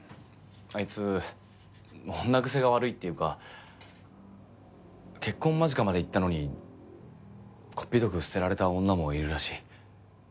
あいつ女癖が悪いっていうか結婚間近までいったのにこっぴどく捨てられた女もいるらしい。